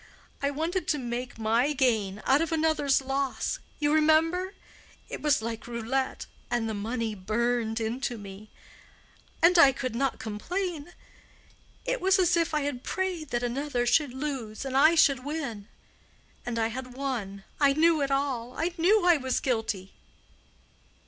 I wanted to make my gain out of another's loss—you remember?—it was like roulette—and the money burned into me. And I could not complain. It was as if I had prayed that another should lose and I should win. And I had won, I knew it all—I knew I was guilty.